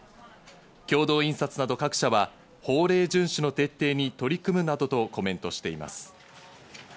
共同印刷など各社は法令遵守の徹底に取り組むなどとコメントしています。